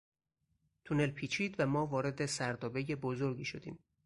تونل پیچید و ما وارد سردابهی بزرگی شدیم.